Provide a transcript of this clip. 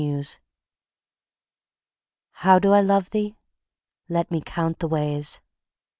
XLIII How do I love thee? Let me count the ways.